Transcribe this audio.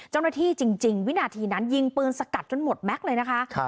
เจ้าหน้าที่จริงวินาทีนั้นยิงเปลืองสกัดจนหมดแม็กซ์เลยนะคะ